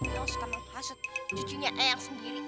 yang suka menghasut cucunya eyang sendiri